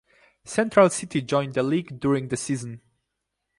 Central City joined the league during the season.